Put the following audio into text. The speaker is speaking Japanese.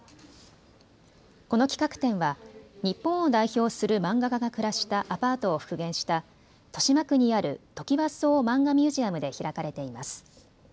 この企画展は日本を代表する漫画家が暮らしたアパートを復元した豊島区にあるトキワ荘マンガミュージアムで開かれています。